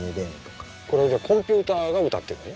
これはコンピューターが歌ってるのね？